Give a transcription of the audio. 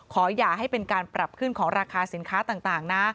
อย่าให้เป็นการปรับขึ้นของราคาสินค้าต่างนะ